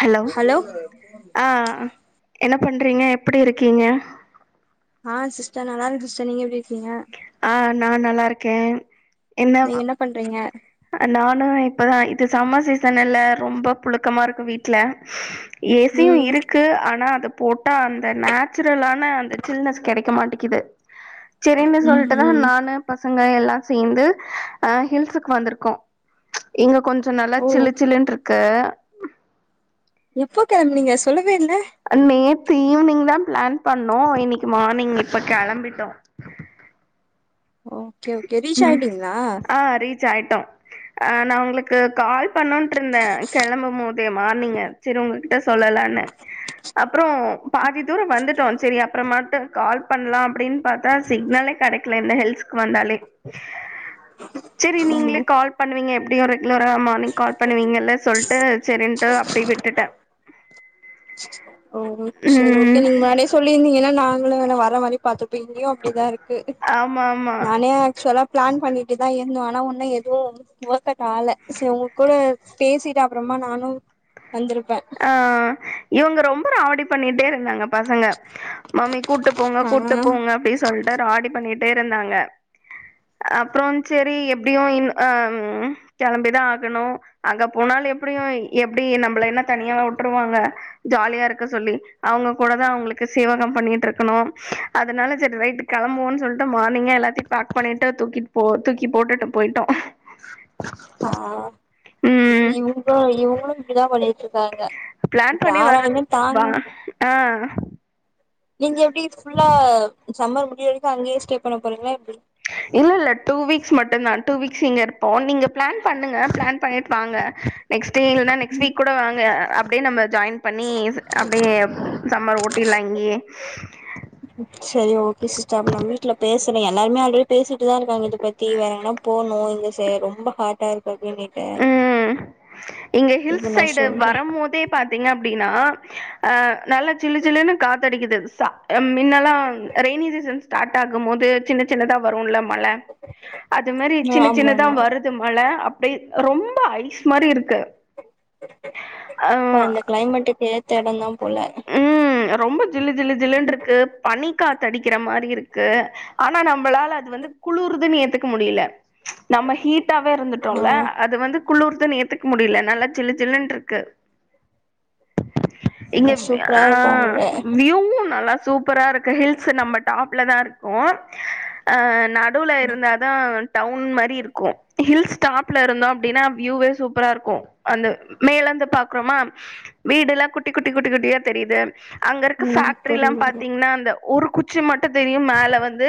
hello ஆ என்ன பண்றீங்க எப்படி இருக்கீங்க ஆ சிஸ்டர் நல்லா இருக்க சிஸ்ட நீங்க எப்டி இருக்கீங்க ஆ நான் நல்லா இருக்கே நீங்க என்ன பண்றீங்க நானு இப்பதா இது சம்மர் சீசன் இல்ல ரொம்ப புழுக்கமா இருக்கு வீட்ல ஏசியும் ம் இருக்கு ஆனா அத போட்டா அந்த நேச்சுரலான அந்த சில்னஸ் கெடைக்க மாட்டேக்கிது சரின்னு ம் சொல்லிட்டுதா ம் நானு பசங்க எல்லா சேந்து அ ஹில்ஸுக்கு வந்திருக் க்கோ இங்க கொஞ்ச நல்லா ஓ சில்லுச்சில்லுனு இருக்கு ட நீங்க சொல்லு அன்மே ஈவினிங் தா பிளான் பண்ணோ இன்னைக்கு மார்னிங் இப்ப கெளம்பிட்டோ ஓகே ஓகே ம் ரீஷாயண்டிங்ளா ஆ ரீச் ஆயிட்டோ நா உங்களுக்கு கால் பண்ணட்டு இருந்தே கெளம்பும் போது மார்னிங் சரி உங்ககிட்ட சொல்லலானு அப் அப்புறோ பாதி தூர வந்துட்டோ சரி அப்புற மட்டு கால் பண்லா அப்படின் பாத்தா சிக்னலே கடைக்க இந்த ஹெல்ஸக்கு வந்தாலே சரி நீங்களே கால் பண்ணுவீங்க எப்டி ஒரு மார்னிங் கால் பண்ணுவீங்கல்ல சொல்ட்டு சரின்ட்டு அப்படியே விட்டுட்ட ஓ சரி ஓகே ம் நீங்க முன்னாடியே சொல்லியிருந்தீங்கன்னா நாங் வர மாரி பாத்தப்போ இங்கயு அப்டிதா இருக்கு ஆமா ஆமா பிளான் பண்ணிட்டு தா இருந்தோ ஆனா ஒன்னும் எதுவு ஒர்க்ட் அவுட் ஆல உங்க கூட பேசிட்டு அப்புறமா நானும் வந்திருப்ப ஆ இவங்க ரொம்ப ராவடி பண்ணிட்டே இருந்தாங்க பசங்க மாமி கூட்டு போங்க ஆ கூட்டு போங்க அப்படின்னு சொல்லிட்டு ராடி பண்ணிட் டே இருந்தாங்க அப்புறம் சரி எப்படியு இ அ கெளம்பிதா ஆகணு அங்க போனா எப்படியு எப்டி நம்பள என்ன தனியாவ வுட்டுருவாங்க ஜாலியா இருக்க சொல்லி அவங்க கூட தா அவங்களுக்கு சேவகம் பண்ணிட்டு இருக்கணு அதனால சரி ரைட் கிளம்புவோ சொல்லிட்டு மார்னிங்க எல்லாத்தையு பேக் பண்ணிட்டு தூக்கிட் தூக்கி போட்டுட்டு போயிட் ட்டோ ஆ இவங்க இவங்கலு [unintelligible] ங்க பிளான் பண்ணி வர்றது யாரலையுமே வா தாங்க [inaudible] ஆ நீங்க எப்படி ஃபுல்லா சம்மர் முடிய வரைக்கு அங்கேயே ஸ்டே பண்ண போறீங்களா எப்டி இல்ல இல்ல டூ வீக்ஸ் மட்டுந்தா டூ வீக்ஸ் இங்க இருப்போ நீங்க பிளான் பண்ணுங்க பிளான் பண்ணிட்டு வாங்க நெக்ஸ்ட் டே இல்லனா நெக்ஸ்ட் வீக் கூட வாங்க அப்டியே நம்ம ஜாயின் பண்ணி அப்படியே சம்மர் ஓட்டிலா இங்கியே சரி ஓகே சிஸ்டர் நா வீட்ல பெ [inaudible] ச எல்லாருமே ஆல்ரெடி பேசிட்டுதா இருக்கங்க இத பத்தி வேற எங்கனா போனு எங்க சார் ரொம்ப ஹாட்டா இருக்கு அப்டின்னுட்டு ம் இங்க இப்ப ஹில்ஸ் நா சைடு சொல்றே வரம் போதே பாத்தீங்க அப்டின்னா அ நல்லா சில்லு சில்லுன்னு காத்தடிக்குது அ மின்னெல்லா ரெயனி சீ சன் ஸ்டார்ட்டாகும் போது சின்ன சின்னதா வரும்ல மழ அது மாரி ஆ சின்ன ஆமா சின்னதா ஆமா வருது மழ அப்டி ரொம்ப ஐஸ் மாரி இருக்கு அப்ப அ இந்தந்த கிளைமேட்டுக்கு ஏத்த எடந்தா போல ம் ரொம்ப ஜில்லு ஜில்லி ஜில்லுன்ருக்கு பனி காத் தடிக்கிற மாரி இருக்கு ஆனா நம்மளால அது வந்து குளிறுதுன்னு ஏத்துக்க முடியல நம்ம ஹீட்டாவே ஆ இருந்துட்டோல்ல அது வந்து குளிர் துன் ஏத்துக்க முடியல நல்லா சில்லு சில்லுன்ருக்கு அப்பச சூப்பரா ஆ அங்க வியூ நல்லா சூப்பரா இருக்க ஹில்ஸ் நம்ம டாப்ல தா இருக்கோ ஆ நடுல இருந்த தா டவுன் மாரி இருக்கு ஹில்ஸ் டாப்ல இருந்தோ அப்படின்னா வியூவே சூப்பர் ரா இருக்கு அந்த மேலந்து பாக்குறோமா வீடெல்லா குட்டி குட்டி குட்டி குட்டியா தெரியுது அங்க இருக்க ம் பேஃக்ட்ரில்லா புரியுது புரியுது பாத்தீங்கன்னா அந்த ஒரு குச்சி மட்டுதெரியும் மேல வந்து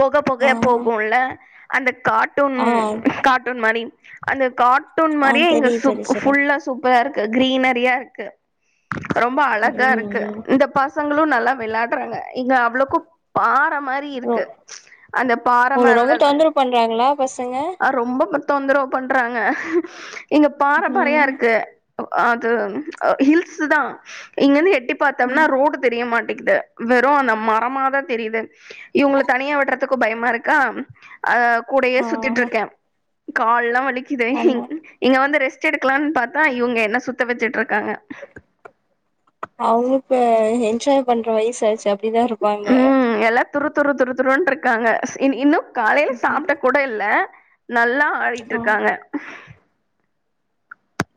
பொக ஆ பொகயா போகும்ல கார்ட்டூன் ஆ கார்ட்டூன் மாரி அந்த கார்ட்டூன் ஆ மாரியே எங்க தெரியு சுப் தெரியு சொல்லுங்க புல்லா சூப்பரா இரு கிரீனரியா இருக்கு ரொம்ப அழகா ம் இருக்கு ம் இந்த பசங்களும் நல்லா வெளயா ப்புறாங்க இங்க அவ்வளவுக்கும் பாரம் மாரி ரொ இருக்கு அந்த உங்கள பாறைமரத ரொம்ப தொந்தரவு பண்றாங்களா பசங்க அ ரொம்ப [unintelligible] தொந்தரவு பண்றாங்க இங்க பாரம்பரையா ம் இருக்கு அது ஹில் ஸ்சுதா இங்க வந்து எட்டி பாத்தோம்னா ம் ரோடு தெரியமாட் டிக்குது வெறு அந்த மரமாதா தெரியுது இவங்கள தனியா விட்றதுக்கு பயமா இருக்கா அ கூடையே ஆ சுத்திட்ருக்கே கால்லா வலிக்குது அண்ணா இங்க வந்து ரெஸ் ஸ்ட் எடுக்கலாம்னு பாத்தா இவங்க என்ன சுத்த வச்சுட்ருக்காங்க அவங்கு இப்ப என்ஜாய் பண்ற வயசாச்சு அப்படிதா இருப்பாங்க ம் எல்லா துரு துரு துரு துருன்ருக்காங்க இன் இன்னு காலையில சாப்ட கூட இல்ல நல்லா ஆ ஆடிட்ருக்காங்க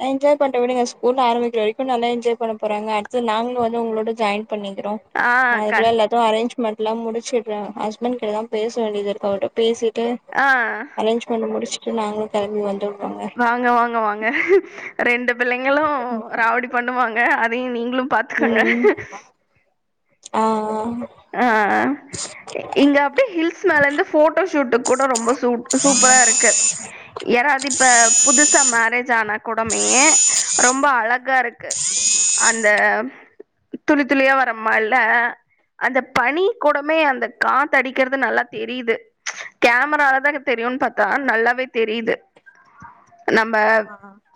என்ஜாய் பண்ற விடுங்க ஸ்கூல்ல ஆரம்பிக்கிற வரைக்கு நல்லா என்ஜாய் பண்ண போறாங்க அடுத்து நாங்களு வந்து உங்களோட ஜாயின் பண்ணிக்கிறோ ஆ நா கண் அதுக்குள்ள எல்லாத்து அரேஞ்ச் மென்ட்லா முச்சிடுறா ஹஸ்பண்ட் கிட்டதா பேச வேண்டியதுருக்கு அவர்ட பேசிட் டு ஆ அரேஞ்ச்மெண் முடிச்சுட்டு நாங்களு கெளம்பி வந்து வாங்க வாங்க வாங்க ரெண்டு பிள்ளைங்களு ராவடி பண்ணுவாங்க அது அதையு நீங்களு பாத்துக்குங்க ம் ஆ ஆ ஆ இங்க அப்டே ஹில்ஸ் மேலருந்து போட்டோ ஷூட்டு கூட ரொம்ப சூ சூப்பரா இருக்கு யாராவது இப்ப புதுசா மேரேஜ் ஆன கூடமை ஏ ரொம்ப அழகா இருக்கு அந்த துளி துளியா வர மழ அந்த பனி கூடமே அந்த காத்தடிக்கிறது நல்லா தெரியுது கேமராலதா தெரியுனு பாத்தா நல்லாவே தெரிது நம்ப ஆ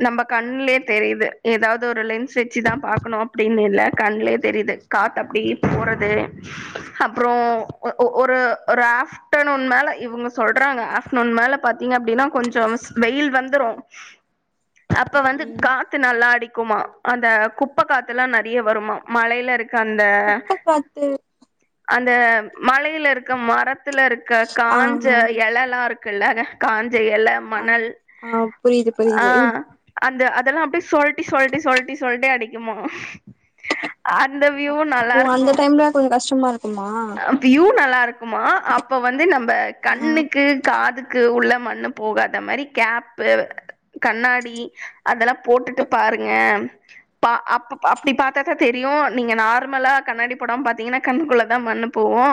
நம்ப கண்லே தெரியிது ஏதாவுது ஒரு லென்ஸ் வச்சுதாம் பாக்கணு அப்படின்னு இல்ல கண்லே தெரியிது காத்து அப்படி போறது அப்ரோ ஒ- ஒ- ஒரு ஒரு ஆஃப்டநூன் மேல இவங்க சொல்றாங்க ஆஃப்டர்நூன் மேல பாத்தீங் ங்க அப்படின்னா கொஞ்சம்ஸ் வெயில் வந்துரு அப்ப வந்து ம் காத்து நல்லா அடிக்குமா அந்த குப்ப காத்துலா நர் டிய வருமா மழையில இருக்க அந்த குப்ப காத்து அந்த மழையில இருக்க மரத்துல இருக்க ஆ காஞ்ச எலல்லா இருக் க்குளத காஞ்ச எல ஆ மணல் ஆ புரியுது ஆ புரியுது அந்த அதெல்லாம் அப்டே சொல்டி சொல்டி சொல்டி சொல்டி அடிக்குமா அந்த வியூவு நல்லா இப்போ இருக்கூ அந்த டைம்ல கொஞ்சோ கஷ்டமா இருக்குமா வியூ நல்லா இருக்குமா அப்ப வந்து நம்ப ஆ கண்ணுக்கு காதுக்கு உள்ள மண்ணு போகாத மாரி கேப்பு கண்ணாடி அதெல்லா போட்டுட்டு பாருங்க பா அப்ப அப்படி பத்தாதா தெரி யு நீங்க நார்மலா கண்ணாடி போடாம பாத்தீங்கன்னா கண் குள்ள ள மண்ணு போகு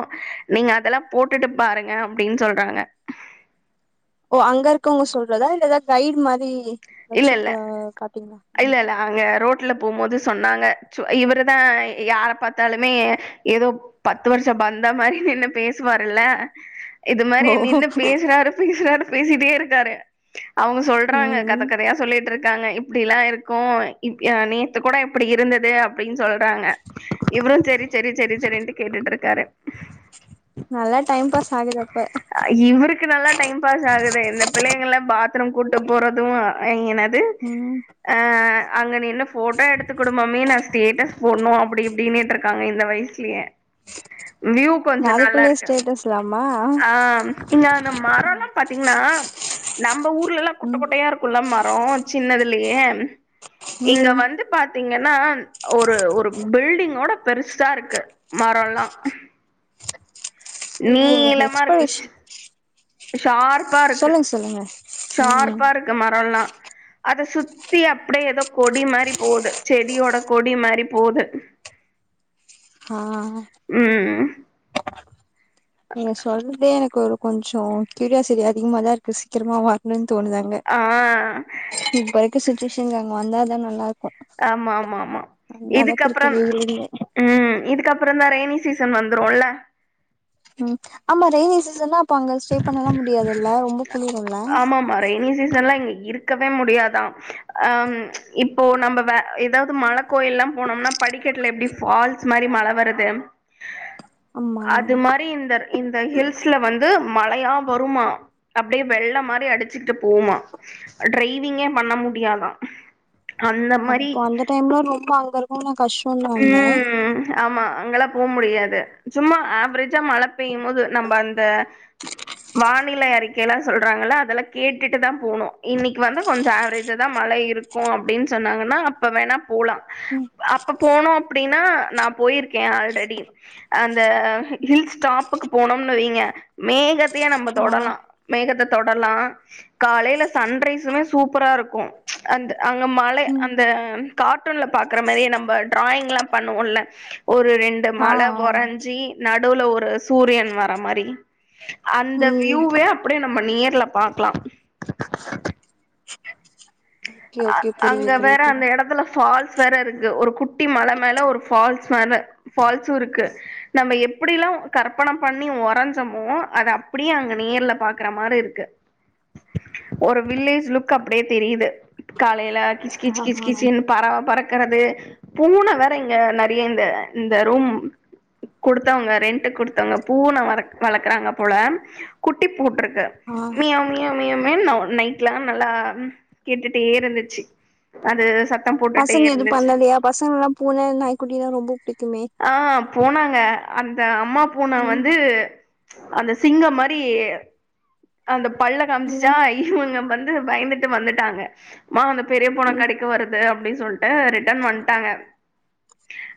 நீங்க அதெல்லா போட்டுட்டு பாருங்க அப்படின் சொல்றாங்க ஓ அங்க இருக்கவங்க சொல்றதா இல்ல எதாது கைட் மாதி இல்ல ல இல்ல ல அங்க ரோட் ட்லா போம்மோது சொன்னாங்க சு இவரு தா யார பாத்தாலுமே ஏதோ பத்து வருஷம் வந்த மாரி நின்னு பேசுவாருல்ல இது மாரி ஓ நின்னு பேசுறாரு பேசுறாரு பேசிட்டே இருக்காரு அவங்க சொல்றாங்க ம் கதக்கதையா சொல்லிட்டு இருக்காங்க இப்படிலாம் இருக்கூ இப் நேத்து கூட இப்டி இருந்தது அப்படின்னு சொல்றாங்க இவரும் செரி செரி செரி செரின்ட்டு கேட்டுட்டுருக் நல்லா டைம் பாஸ் ஆகுது அப்ப இவருக்கு நல்லா டைம் பாஸ் ஆகுதே இந்த பிள்ளைங்கல்ல பாத் துரூம் குட்டு போறது ஏஐ என்னது ம் ஆ அங்கனே என்ன ஃபோட்டா எடுத்து குடு மம்மி நா ஸ்டேட்டஸ் போடுணும் அப்படி இப்படினேட்டுருக்காங்க இந்த வயசுலயே வியூ கொஞ்சோ நல்லா அதுக்குள்ளயே இருக்கு ஸ்டேட்டஸ்லாமா ஆ இங்க அந்த மரம் எல்லா ம் பாத்தீங்கன்னா நம்ம ஊர்லல்லா குட் ட்ட குட்டையா இருக்குல மரோ சின்னதுலயே இங்க ம் வந்து பாத்தீங்கன்னா ஒரு ஒரு பில்டிங்கோட பெருசா இருக்கு மரோல்லா ஓஹோ நீளமா எக்ஸபடிஷ் இருக்கு ஷார்ப்பா இருக்கு ம் ஷார்ப்பா இருக்கு மரோல்லா அத சுத்தி அப்டியே ஏதோ கொடி மாரி போது செடியோட கொடி மாரி போது ஹா ம் கோரு கொஞ்சோ கியூரியாசிட்டி அதிகமா தா இருக்கு சீக்கிரமா வ வாங்கன் தோணுதங்க ஆ இப்ப இருக்க சுச்சுவேஷன்க் அங்க வந்தா தா நல்லா இருக் ஆமா ஆமா ஆமா அளவுக்கு இருக்கு இதுக்கப்புறம் வெயில் இங்க உம் இதுக்கப்ரோ தா ரெய்னி சீசன் வந்துருல்ல உம் ஆமா ரெய்னி சீசன்னாப் பாங்கல் ஸ்டே பண்ணலா முடியாதுல்ல ரொம்ப குலுருல்ல ஆமாமா ரெய்னி சீசன்ல இங்க இருக்கவே முடியாதாம் அ இப்போ நம்ப வே ஏதாவது மல கோயிலா போனம்னா படிக்கட்டுல எப்டி ஃபால்ஸ் மாரி மழை வருது ஆமா அது மாரி இந்தர் இந்த ஹில்ஸ்ல வந் து மழையா வருமா அப்டியே வெள்ளம் மாரி அடிச்சுகிட்டு போவுமா டிரைவிங்கே பண் ண முடியாதா அந்த மாரி அப்போ அந்த டைம்ல ரொம்ப அங்க இருக்கவுங்க கஷ்டோல்லா இல்ல உம் ஆமா அங்கெல்லா போ முடியாது சும்மா ஆவ்ரேஜ்ஜா மழ பெய்யும் மோது நம்ப அந்த வானிலை அறிக்கையெல்லா சொல்றாங்கல்ல அதெல்லா கேட்டுட்டு தா போனு இன்னைக்கு வந்து கொஞ்சோ ஆவ்ரேஜ்ஜா தா மழை இருக்கு அப்டின்னு சொன்னாங்கன்னா அப்ப வேணா போலா ம் அப்பக் போனோ அப்டின்னா நா போயிருக்கே அல்ரெடி அந்த ஹில் ஸ்டாப்புக்கு போனோ னுவைங்க மேகத்தையே நம்ம ஆ தொடலா மேகத்த தொடலா காலேல சன்ரைஸுமே சூப்பரா இருக்கு அந்த அங்க மலை ம் அந்த ஆ கார்ட்டூன்ல பாக்குற மாரியே நம்ப டிராயிங்ல்லா பண்ணுவோல்ல ஒரு ரெண்டு ஆ மலை ஆ ஒரஞ்சி நடூல ஒரு சூரியன் வர மாரி அந்த ம் வியூவே அப்டியே நம்ம நேர்ல பாக்லா ஓகே ஆ ஓகே புரியுது அங்க வேற புரியுது அந்த இடத்துல ஃபால்ஸ் வேற இருக்கு ஒரு குட்டி மல மேல ஒரு ஃபால்ஸ் வேற ஃபால்ஸு இருக்கு நம்ப எப் டில்லா கற்பன பண்ணி வோறஞ்சமோ அத அப்டியே அங்க நேர்ல பாக்குற மாரி இருக்கு ஒரு வில்லேஜ் லுக் அப்டியே தெரியுது காலேல கிச் கிச் ஆ கிச் ஹா கிச்ன்னு பறவ பறக் கறது பூன வேற இங்க நெறைய இந்த இந்த ரூம் குடுத்தவங்க ரெண்ட்க்கு குடுத்தவங்க பூன வளக் வளக்கறாங்க போல குட்டிப் போட்டுருக் கு ஆ மியாவ் மியாவ் மியாவ் மியான்னு நவ் நைட்லா நல்லா கேட்டுட் டே இருந்துச்சி அது சத் பசங்க எது பண்ணலையா பசங்க எல்லா பூன நாய்க் குட்டின்னா ரொம்போ ஆ போனாங்க அந்த அம்மா பூன ம் வந்து அந்த சிங்கம் மாரி அந்த பல்ல காமிசிச்சா ம் இவனுங்க வந் து பயந்துட்டு வந்துட்டாங்க மா அந்த பெரிய பூன ம் கடிக்க வருது அப்டின்னு சொல்லிட்டு ரிட்டன் வன்ட்டாங்க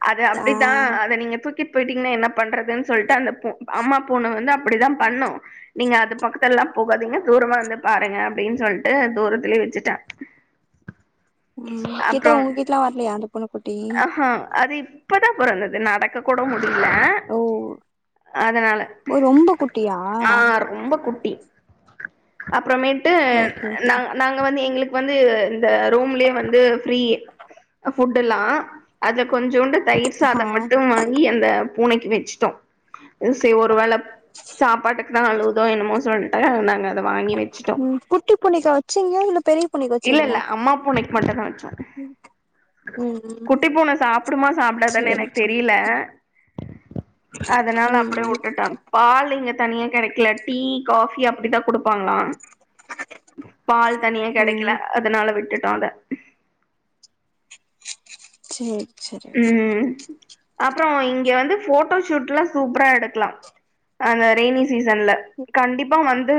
அது ஆ அப்டித்தா அத நீங்க தூக்கி போயிட்டீங்கன்னா என்ன பண்றதுன்னு சொல்லிட்டு அந்த பூ அம்மா பூன வந்து அப்டிதா பண்ணு நீங்க அது பக்கத் துலல்லா போகாதீங்க தூரமா இருந்து பாருங்க அப்டின்னு சொல்லிட்டு தூரத்துலயே வச்சிட்டே ம் கிட்ட அப்றோ உங்க கிட்டலா வரலையா அந்த பூனக்குட்டி அஹ அது இப் இப்பதா பொறந்தது நடக்க கூட முடி இல்ல ஓ அதனால ஓ ரொம்ப குட்டியா ஆ ரொம்ப குட் ட்டி அப்பறமேட்டு ஓகே ஓகே நா நாங்க வந்து எங்களுக் வந்து இந்த ரூம்லலே வந்து ஃப்ரீ ஃபுட்டெல்லா அதுல கொஞ்சோண்டு தயிர் ஆ சாதம் மட்டு வாங்கி அந்த பூனைக்கி வச்சிட்டோ சே ஒரு வேள சாப்பாட்டுக்கு தா அழுவுதோ என்னமோ சொல்லிட்டு நாங்க அத வாங்கி வச்சிட்டோ ம் குட்டி பூனைக்கா வச்சீங்க இல்ல பெரிய பூனைக்கு வச்சீங்களா இல்லல்ல அம்மா பூனைக்கி மட்டு தா வச்சோ ம் ம் [inaudible] குட்டிப்பூன சாப்டுமா சாப்டாதான்னு சேரி எனக்கு சேரி தெரியல அதனால ம் அப்டியே ம் வுட்டுட்டே பால் இங்க தனியா கெடைக்கல டீ காபி அப்டிதா குடுப்பாங்களா பால் தனியா கெடைக்கல ம் அதனால விட்டுட்டோ அத சேரி சேரி ம் அப்பறோ இங்க வந்து போட்டோ ஷூட்ல்லா சூப்பரா எடுக்கலா அந்த ரெய்னி சீசன்ல கண்டிப்பா வந்து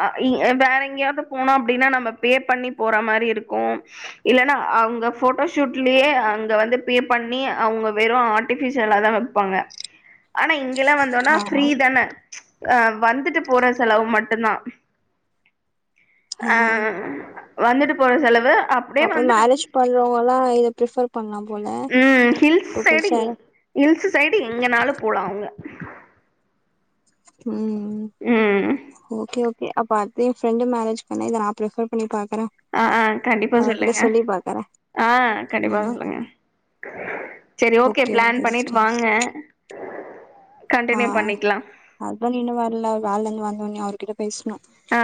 ஆ இ வேற எங்கேயாவது போனோ அப்டின்னா நம்ம பே பண்ணி போற மாரி இருக்கு இல்லன்னா அவுங்க போட்டோ ஷூட்லயே அங்க வந்து பே பண்ணி அவுங்க வெறு ஆர்ட்டிபிஷியலா தா வப்பாங்க ஆனா இங் கெல்லா வந்தோனா ஆ ஃப்ரீ தான ஆ வந்துட்டு போற செலவு மட்டுந்தா ஆ வந்துட்டு போற செலவு அப்டியே அப்ப வந்துட்டு மேரேஜ் பண்றவங்கல்லா இத பிரிஃபெர் ம் ஹில்ஸ் சைடு எங் ஹில்ஸ் சைடு எங்கனாலு போலா அவுங்க [inaudible] ம் ம் இ அ பாத்து ஃப்ரெண்டு மேரேஜ் பண்ண இத நா பிரிஃபர் பண்ணிருப்பே அ அ கண்டிப்பா சொல்லுங்க பாக்குறே ஆ கண்டிப்பா ம் சொல்லுங்க சரி ஓகே பிளான் பண்ணிட்டு வாங்க ஆ கண்டினியூ பண்ணிக்கலா ஹஸ்பண்ட் இன்னு வர்ல வேலன்து வந்தோனே அவர்கிட்ட பேச்ணு ஆ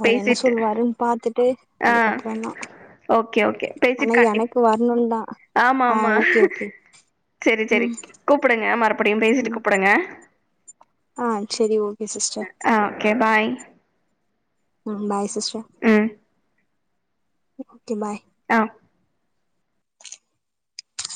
அவர் என்ன பேசிட்டு சொல்லுவாருன்னு பாத்துட்டு ஆ அதுக்கப்புறோ தா ஓகே ஓகே பேசிட்டு கண்டிப் வரணுன்தா ஆமா ஆ ஆமா ஓகே ஓகே செரி செரி ம் கூப்புடுங்க மறுபடியு பேசிட்டு ம் கூப்புடுங்க ஆ சரி ஓகே சிஸ்டர் ஆ ஓகே பாய் ம் பாய் சிஸ்டர் ம் ஒகே பாய் ஆ